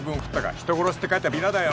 人殺しって書いたビラだよ